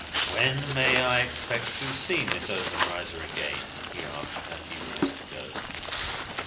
"When may I expect to see Miss Obenreizer again?" he asked, as he rose to go.